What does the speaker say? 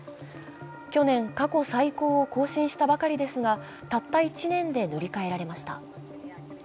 去年、過去最高を更新したばかりですが、たった１年で塗り替えられました。